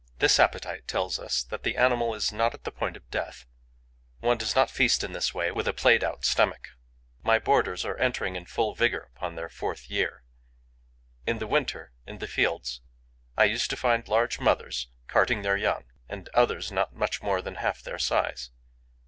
This appetite tells us that the animal is not at the point of death; one does not feast in this way with a played out stomach. My boarders are entering in full vigour upon their fourth year. In the winter, in the fields, I used to find large mothers, carting their young, and others not much more than half their size.